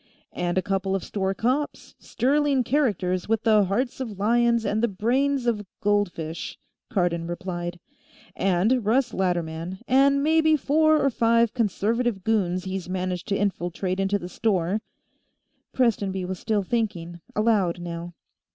"And a couple of store cops, sterling characters with the hearts of lions and the brains of goldfish," Cardon replied. "And Russ Latterman, and maybe four or five Conservative goons he's managed to infiltrate into the store." Prestonby was still thinking, aloud, now.